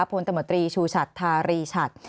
ตมตรีชูชัดทารีชัด